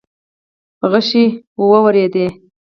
غشې وورېدې.